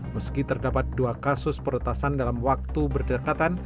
meski terdapat dua kasus peretasan dalam waktu berdekatan